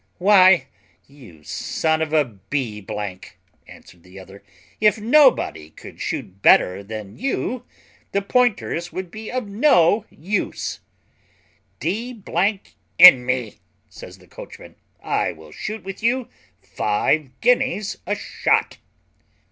"Why, you son of a b ," answered the other, "if nobody could shoot better than you, the pointers would be of no use." "D n me," says the coachman, "I will shoot with you five guineas a shot."